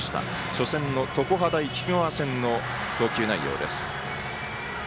初戦、常葉大菊川戦の投球内容です。